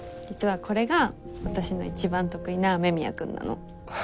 実はこれが私の一番得意な雨宮くんなの。